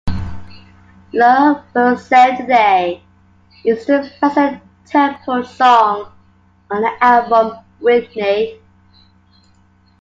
"Love Will Save the Day" is the fastest-tempoed song on the album "Whitney".